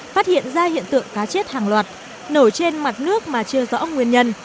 phát hiện ra hiện tượng cá chết hàng loạt nổi trên mặt nước mà chưa rõ nguyên nhân